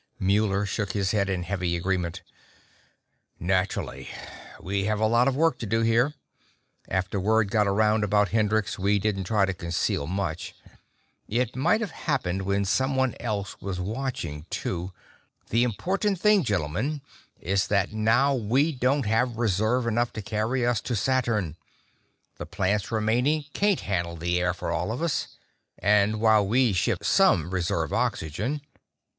Muller shook his head in heavy agreement. "Naturally. We had a lot of work to do here. After word got around about Hendrix, we didn't try to conceal much. It might have happened when someone else was watching, too. The important thing, gentlemen, is that now we don't have reserve enough to carry us to Saturn. The plants remaining can't handle the air for all of us. And while we ship some reserve oxygen...."